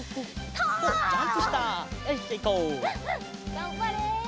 がんばれ！